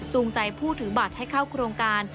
ใจผู้ถือบัตรให้เข้าโครงการ